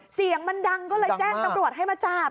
เสียงมันดังก็เลยแจ้งตำรวจให้มาจับ